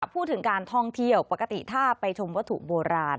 พูดถึงการท่องเที่ยวปกติถ้าไปชมวัตถุโบราณ